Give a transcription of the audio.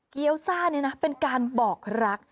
เกี้ยวซ่านี้นะเป็นการบอกรัก